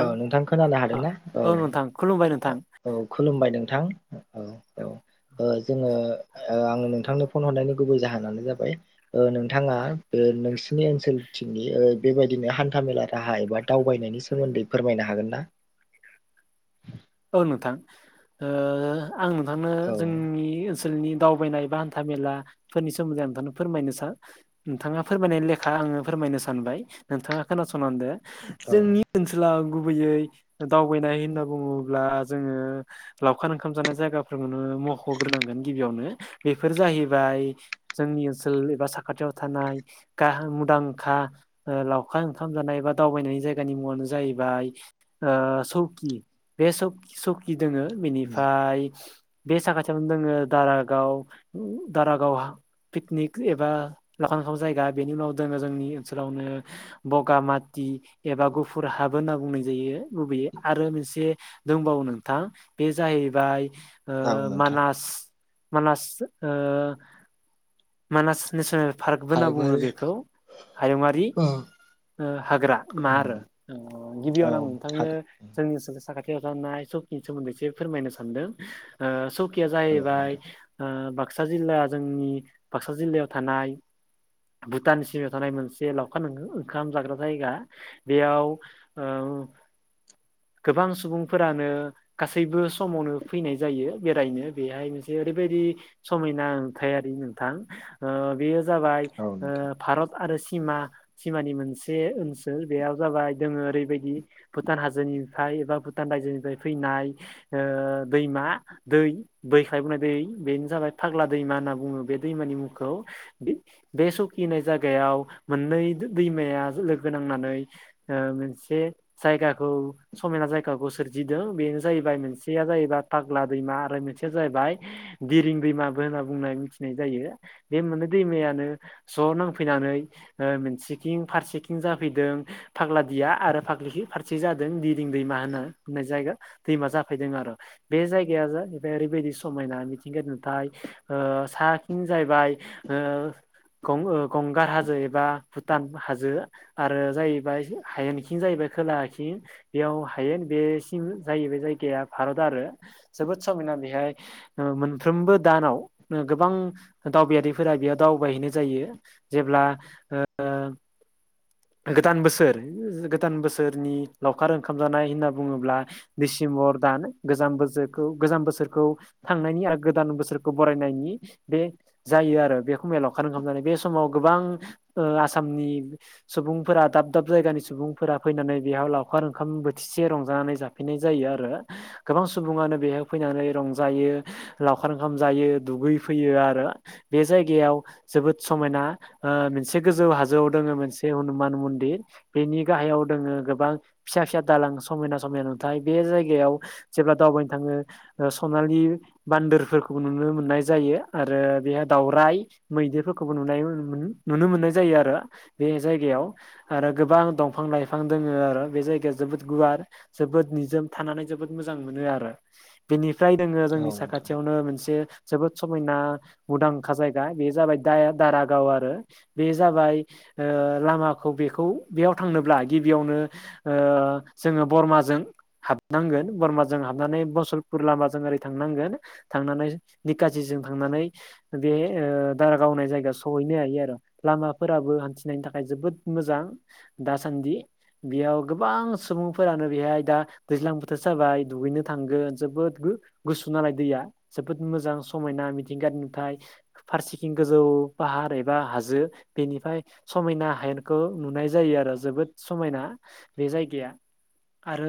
औ नोंथां खोनानो हादोंना औ नोंथां खुलुमबाय नोंथां औ खुलुमबाय नों थां औ औ औ जों औ आङो नोंथांनो फन हरनायनि गुबुन जाहोनानो जाबाय औ नोंथाङा औ नोंसिनि ओनसोलथिंनि बेबायदिनो हान्था मेला राहा एबा दावबायनायनि सो मोन्दै फोरमायनो हागोन ना? औ नोंथां ओ आं नोंथांनो औ जोंनि ओनसोलनि जोंनि दावबायनाय बाहान्था मेलाफोरनि सोमोन्दै नोंथांनो फोरमायनो सा नोंथांङा फोरमायनाय लेखा आ ङो फोरमायनो सानबाय नोंथांङा खोनासंलांदो औ जोंनि ओनसोलाव गुबैयै दावबायनाय होनना बुंङो ब्ला जों लावखार ओंखाम जानाय जायगाफोरखौनो मख'ग्रोनांगोन गिबियावनो बेफोर जाहैबाय जोंनि ओनसोल एबा साखाथियाव थानाय गाहाम मुंदांखा हा औ लावखार ओंखाम जानाय एबा दावबायनायनि जायगानि मुङानो जाहैबाय सौकि बे सक सौकि दोङो बेनिफाय बे साखाथियावनो दोङो दारागाव दारागावहा पिकनिक एबा लाखांखां [unintelligible] जायगा बेनि उनाव दोङो जोंनि ओनसोलावनो बगामा ति एबा गुफुर हाबो होनना बुंनाय जायो लुबैयोै आरो मोनसे दंबावो नोंथां बे जाहैबाय ओ औ नोंथां मानास मानस ओ मानास नेसनेल पार्कबो होनना बुङो हायोबाल बेखौ हायुङारि औ ओ हाग्रा मा आरो औ गिबियावनो आं नोंथांनो हागोन जोंनि बो गाननाय सौकि सोमोन्दै एसे फोरमायनो सानदों ओ सौकिया औ जाहैबाय नोंथां बाक्सा जिल्ला जोंनि बाक्सा जिल्लायाव थानाय भुटान सिमायाव थानाय मोनसे लावखान ओंखाम जाग्रा जायगा बेयाव औ [inaudible] गोबां सुबुंफोरानो गासैबो समावनो फैनाय जायो बेरायनो बेहाय मोनसे ओरैबायदि समायना नुथायारि नोंथां ओ बेयो जाबाय औ ओ नोंथां भारत आरो सिमा सिमानि मोनसे ओनसोल बेयाव जाबाय दोङो ओरैबायदि भुटान हाजोनि निफ्राय एबा भुटान रायजोनिफ्राय फैनाय ओ दैमा दै दैख्लायबोननाय दै बेनो जाबाय फाग्ला दैमा होनना बुङो बे दैमानि मुंखौ बे सौकि होननाय जागायाव मोननै दैमाया लोगो नांनानै औ मोनसे जायगाखौ समायना जाय गाखौ सोरजिदों बेनो जाहैबाय मोनसेया जाहैबाय फाग्ला दैमा आरो मोनसेया जाहैबाय दिरिं दैमाबो होनना बुंनाय मिथिनाय जायो बे मोन दैमायानो ज' नांफैनानै अ मोनसेथिं फारसेथिं जाफैदों फाग्लादिया आरो फाग्लि फारसे जादों दिदिं दैमा होननानै होननाय जायगा दैमा जाफैदों आरो बे जायगाया जाहैबाय ओरैबायदि समायना मिथिंगायारि नुथाय ओ साखिं जाहैबाय ओ गं औ गंगार हाजो एबा भुटान हाजो आरो जाहैबाय हायेनखि जाहैबाय खोलाखि बेयाव हायेन बे सिम जायो बे जायगाया भारत आरो जोबोर समायना बेहाय मोनफ्रोमबो दानाव गोबां दावबायारिफोरा बेयाव दावबायहैनाय जायो जेब्ला ओ गोदान बोसोर गोदान बोसोरनि लावखार ओंखाम जानाय होनना बुङोब्ला दिसेम्बर दान गोजाम बोसोरखौ गोजाम बोसोरखौ थांनायनि आरो गोदान बोसोर खौ बरायनायनि बे जायो आरो बेखौ लावखार ओंखाम जानाय बे समाव गोबां ओ आसा आसामनि सुबुंफोरा दाब दाब जायगानि सुबुंफोरा फैनानै बेयाव लावखार ओंखाम बोथिसे एसे रंजानानै जाफैनाय जायो आरो गोबां सुबुङानो बेहाय फैनानै रंजायो लावखार ओंखाम जायो दुगै फैयो आरो बे जागायाव जोबोद समायना ओ मोनसे गो गोजै हाजो दङो मोनसे हुमान मनदिर बेनि गाहायाव दङो गोबां फिसा फिसा दालां समायना समायना नुथाय बे जायगायाव जेब्ला दावबायनो थाङो सनालि बान्दोरफोरखौ नुनो मोननाय जायो आरो बेहााय दावराइ मैदेरफोरखौबो नुनाय नुनो मोननाय जायो आरो बे जायगायाव आरो गोबां दंफां लाइफां दङ आरो बे जायगाया जोबोद गुवार जोबोद निजोम थानानै जोबोद मोजां मोनो आरो बेनि फ्राय दोङो औ जोंनि नोंथां साखाथियावनो मोनसे जोबोद समायना मुंदांखा जायगा बे जाबाय द दारागाव आरो बे जाबाय ओ लामाखौ बेखौ बेयाव थांनोब्ला गिबियावनो ओ जोङो बरमाजों हाबनांगोन बरमाजों हाबनानै मसलपुर लामाजों ओरै थांनांगोन थांनानै निखासि थांनानै बे दारागाव होननाय जायगा सहैनो हायो आरो लामाफोराबो हान्थिनायनि थाखाय थाखाय जोबोद मोजां दासान्दि बेयाव गोबां सुबुं फोरानो बेहाय दा दैज्लां बोथोर जाबाय दुगैनो थांगोन जोबोद गुसु नालाय दैया जोबोद मोजां समायना मिथिंगानि नुथायाइ फारसेथिं गोजौ फाहार एबा हाजो बेनिफ्राय समायना हायेनखौ नुनाय जायो आरो जोबोद समायना बे जायगाया आरो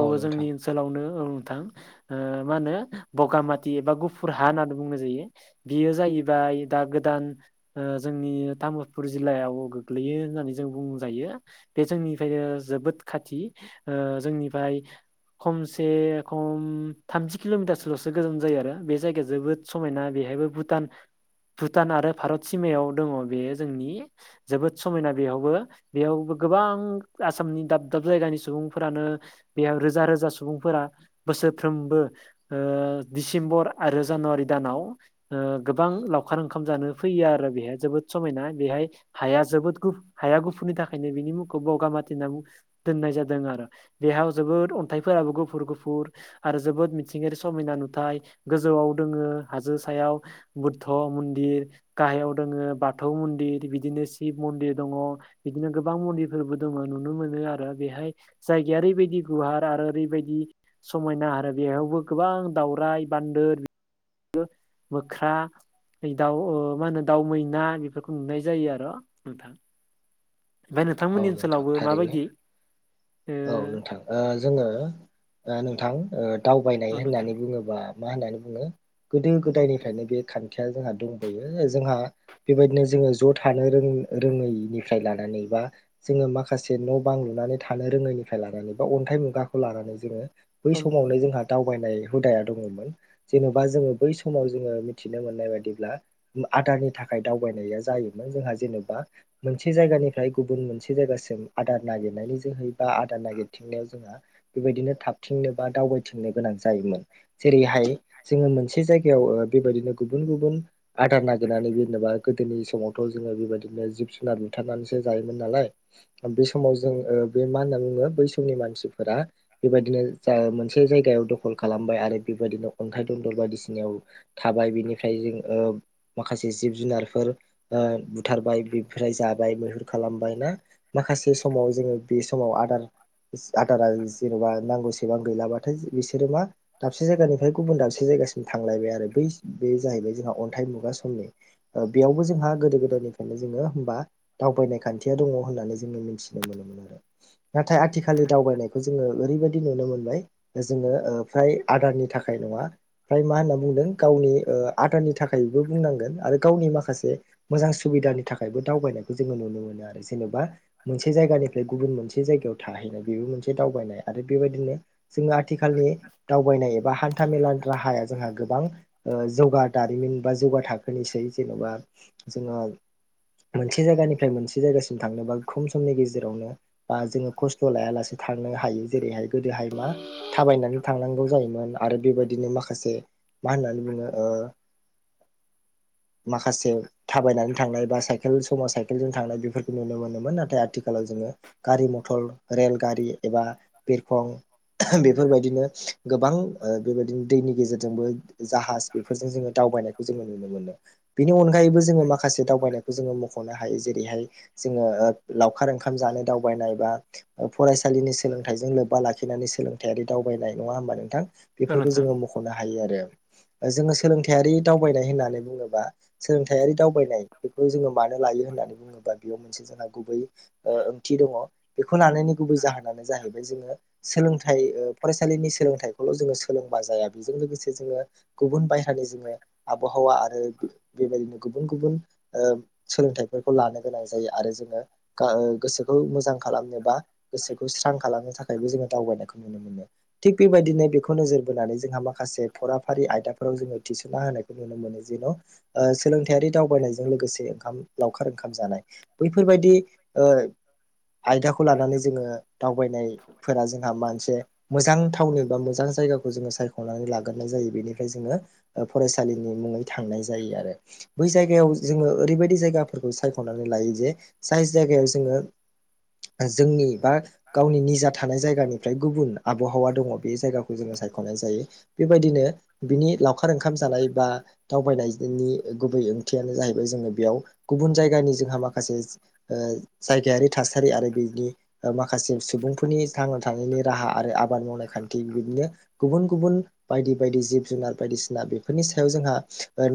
औ जोंनि नोंथां ओनसोलावनो मा होनो बगामाथि एबा गुफुर हा होननानै बुंनाय जायो बियो जाहैबाय दा गोदान जोंनि तामुलपुर जिल्लायाव गोग्लैयो होननानै जों बुंजायो बे जोंनिफ्रायनो जोबोद खाथि जोंनिफ्राय खमसे खम थामजि किल'मिटारसोल'सो गोजान जायो आरो बे जायगाया जोबोद समायना बे एबो भुटान भुटान आरो भारत सिमायाव दङ बेयो जोंनि जोबोद समायना बेयावबो बेयावबो गोबां आसामनि दाब दाब जायगानि सुबुंफोरानो बेयाव रोजा रोजा सुबुंफोरा बोसोरफ्रोमबो ओ दिसेम्बर आरो जानुवारि दानाव ओ गोबां लावखार ओंखाम जानो फैयो आरो बेहाय जोबोद समायना बेहाय हाया जोबोद गु हाया गुफुरनि थाखायनो बिनि मुंखौ बगाामाथि होनना दोननाय जादों आरो बेयाव जोबोद अन्थाइफोराबो गुफुर गुफुर आरो जोबोद मिथिंगायारि समायना नुथाय गोजौआव दोङो हाजो सायाव बुध्द मन्दिर गाहायाव दोङो बाथौ मन्दिर बिदिनो शिब मन्दिर दङ बिदिनो गोबां मन्दिरफोरबो दङ नुनो मोनो आरो बेहाय जायगाया ओरैबायदि गुवार आरो ओरैबायदि समायना आरो बेयावबो गोबां दावराइ बान्दोर मोख्रा दाउ मा होनो दाउ मैना बेफोरखौ नुनाय जायो आरो नोंथां ओमफ्राय औ नोंथांमोननि नोंथां ओनसोलावबो थारैनो माबायदि ओ औ नोंथां जोङो नोंथां दावबायनाय औ नोंथां होननानै बुङोबा मा होननानै बुङो गोदो गोदायनिफ्रायनो बे खानथिया जोंहा दंबोयो जोंहा बेबायदिनो जोङो ज' थानो रों रोङैनिफ्राय लानानै बा जोङो माखासे न' बां लुनानै थानो रोङै निफ्राय लानानै बा अन्थाइ मुगाखौ लानानै जोङो बै औ नोंथां समावनो जोंहा दावबायनाय हुदाया दङमोन जेन'बा जोङो बै समाव जोङो मिथिनो मोननाय बादिब्ला आदारनि थाखाय दावबायनाया जायोमोन जोंहा जेनेबा मोनसे जायगानिफ्राय गुबुन मोनसे जायगासिम आदार नागिरनायनि जोहै आदार नागिरथिंनायाव जोंहा बेबायदिनो थाबथिंनो बा दावबायथिंनो गोनां जायोमोन जेरैहाय हाय जोङो मोनसे जायगायाव ओ बेबायदिनो गुबुन गुबुन आदार नागिरनानै जेनेबा गोदोनि समावथ' जोङो बेबायदिनो जिब जुनार बुथारनानैसो जायोमोन नालाय बे समाव जों ओ बे मा होनना बुङो बै समनि मानसिफोरा बेबायदिनो जा मोनसे जायगायाव दखल खालामबाय आरो बेबायदिनो अन्थाइ दन्दल बायदिसिनायाव थाबाय बिनिफ्राय जों ओ माखासे जिब जुनारफोर ओ बुथारबाय बेफ्राय जाबाय मैहुर खालामबाय ना माखासे समाव जोङो बे समाव आदार आदारा जेनेबा नांगौसेबां गैलाबाथाय बिसोरो मा दाबसे जायगानिफ्राय गुबुन दाबसे जाय गासिम थांलायबाय आरो बै बे जा हैबाय जोंहा अन्थाइ मुगा समनि ओ बेयावबो जोंहा गोदो गोदायनिफ्रायनो जोङो होमबा दावबायनाय खान्थिया दङ' होननानै जोङो मिथिनो मोनोमोन आरो। नाथाय आथिखालनि दावबायनायखौ जोङो ओरैबायदि नुनो मोनबाय जोङो ओ फ्राय आदारनि थाखाय नङा फ्राय मा होनना बुंदों गावनि ओ आदारनि थाखायबो बुंनांगोन आरो गावनि माखासे मोजां सुबिदानि थाखायबो दावबायनायखौ जोङो नुनो मोनो आरो जेनेबा मोनसे जायगानिफ्राय गुबुन मोनसे जायगायाव थाहैनाय बेबो मोनसे दावबायनाय आरो बेबायदिनो जोङो आथिखालनि दावबायनाय एबा हान्था मेलानि राहाया जोंहा गोबां ओ जौगा दारिमिन बा जौगा थाखोनिसै जेन'बा जोङो मोनसे जायगानिफ्राय मोनसे जायगासिम थांनोबा खम समनि गेजेरावनो बा जोङो खस्थ' लायालासे थांनो हायो जेरैहाय गोदोहाय मा थाबायनानै थांनांगौ जायोमोन। आरो बेबायदिनो माखासे मा होननानै बुङो ओ माखासे थाबायनानै थांनाय बा साइकेल समाव साइकेलजों थांनाय बेफोरखौ नुनो मोनोमोन नाथाय आथिखालाव जोङो गारि मथर रेलगारि एबा बिरखं बेफोरबायदिनो गोबां ओ बेबायदिनो दैनि गेजेरजोंबो जाहाज बेफोरजों जोङो दाव बायनायखौ जोङो नुनो मोनो बेनि अनगायैबो जोङो माखासे दावबायनायखौ जोङो मख'नो हायो जेरैहाय जोङो ओ लावखार ओंखाम जानो दावबायनाय बा फरायसालिनि सोलोंथाइजों लोब्बा लाखिनानै सोलोंथायारि दावबायनाय नङा होमबा नोंथां? औ बेफोरखौ नोंथां जोङो मख'नो हायो आरो। जोङो सोलोंथायारि दावबायनाय होननानै बुङोबा सोलोंथायारि दावबायनाय बेखौ जोङो मानो लायो होननानै बुङोबा बेयाव मोनसे जोंहा गुबै ओ थि दङ' बेखौ लानायनि गुबै जाहोनानो जाहैबाय जोङो सोलोंथाय ओ फरायसालिनि सोलोंथाइखौ खौ जोङो सोलोंबा जाया बेजों लोगोसे जोङो गुबुन बायरानि जोंङो आबहावा आरो बेबायदिनो गुबुन गुबुन ओ सोलोंथाइफोरखौ लानो गोनां जायो आरो जोङो गा ओ गोसो खौ मोजां खालामनो बा गोसोखौ स्रां खालामनो थाखायबो जोङो दावबायनायखौ नुनो मोनो थिग बेबायदिनो बेखौ नोजोर बोनानै जोंहा माखासे फराफारि आयदाफोराव जोङो थिसनना होनायखौ नुनो मोनो जेराव सोलोंथायारि दावबायनायजों लोगोसे ओंखाम लावखार ओंखाम जानाय बैफोरबायदि ओ आयदाखौ लानानै जोङो दावबायनायफोरा जोंहा मोनसे मोजां थावनि बा मोजां जायगाखौ जोंङो साय ख'नानै लागोरनाय जायो बेनिफ्राय जोङो ओ फरायसालिनि मुङै थांनाय जायो आरो बै जायगायाव जोङो ओरैबायदि जायगाफोरखौ सायख'नानै लायो जे जाय जायगायाव जोङो जोंनि बा गावनि निजा थानाय जायगानिफ्राय गुबुन आबहावा दङ' बे जायगाखौ जोङो साय ख'नाय जायो बेबायदिनो बिनि लावखार ओंखाम जानाय बा दावबायनायनि गुबै ओंथियानो जाहैबाय जोङो बेयाव गुबुन जायगानि जोंहा माखासे ओ जायगायारि थासारि आरो बिनि माखासे सुबुंफोरनि थांना थानायनि राहा आरो आबाद मावनाय खान्थि गुबुन गुबुन बायदि बायदि जिब-जुनार बायदिसिना बेफोरनि सायाव जोंहा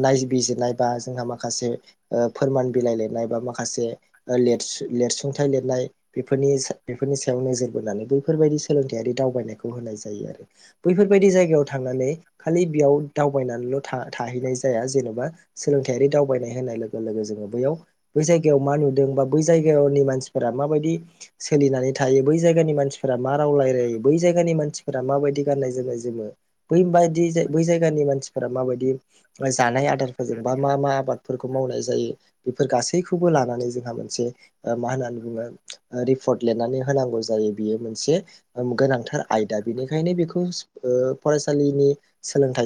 नायबिजिर नाय बा जोंहा माखासे ओ फोरमान बिलाइ लिरनाय बा माखासे ओ लिरसु लिरसु सुंथाइ लिरनाय बेफोरनि बेफोरनि सायाव नोजोर बोनानै बैफोरबायदि सोलोंथाइयारि दावबायनायखौ होनाय जायो। बैफोरबायदि जायगायाव थांनानै खालि बेयाव दावबायनानैल' था थाहैनाय जाया जेन'बा सोलोंथायारि दावबायनाय होननाय लोगो लोगो जोङो बैयाव बै जायगायाव मा नुदों बा बै जायगानि मान माबायदि सोलिनानै थायो बै जायगानि मानसिफोरा मा रावलायायो बै जायगानि मानसिफोरा माबायदि गाननाय जोमनाय जोमो बै बायदि जायगानि मानसिफोरा माबायदि जानाय आदार बा मा मा आबादफोरखौ मावनाय जायो बेफोर गासैखौबो लानानै जोंहा मोनसे मा होननानै बुङो रिपर्ट लिरनानै होनांगौ जायो बियो मोनसे गोनांथार आयदा बेनिखायनो बेखौ ओ फरायसालिनि सोलोंथ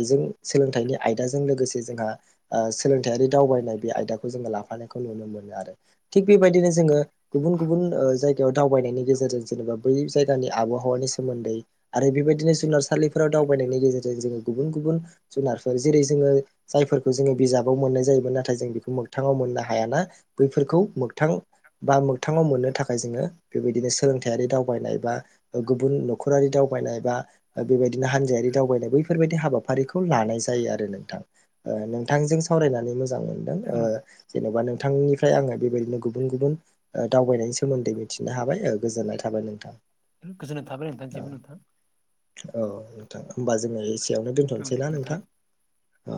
सोलोंथाइनि आयदाजों लोगोसे जोंहा ओ सोलोंथायारि दावबायनाय बे आयदाखौ जोङो लाफानायखौ नुनो मोनो आरो थिग बेबायदिनो जोङो गुबुन गुबुन जायगायाव दावबायनायनि गेजेरजों जेनेबा बै जायगानि आबहावा बहावानि सोमोन्दै आरो बेबायदिनो जुनारसालिफोराव दावबायनायनि गेजेरजों जोङो गुबुन गुबुन जुनारफोर जेरै जोङो जायफोरखौ जोङो बिजाबाव मोननाय जायोमोन नाथाय जों बेखौ मोगथाङाव मोननो हायाना बैफोरखौ मोगथां बा मोगथाङाव मोननो थाखाय जोङो बेबायदिनो। सोलोंथायारि दावबायनाय बा गुबुन न'खरारि दावबायनाय बा। बेबायदिनो हानजायारि दावबायनाय बैफोरबायदि हाबा। हाबाफारिखौ लानाय जायो आरो नोंथां नोंथांजों सावरायनानै मोजां मोनो। औ ओ नोंथां जेन'बा नोंथांनिफ्राय आङो बेबायदिनो गुबुन गुबुन दावबायनायनि सोमोन्दै मिथिनो हाबाय गोजोननाय थाबाय नोंथां। गोजोननाय थाबाय नोंथांसिमबो नोंथां औ नोंथाङा। होमबा जोङो एसेयावनो औ दे दोनथ'नोसैना नोंथां। औ।